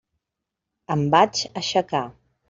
Em vaig aixecar.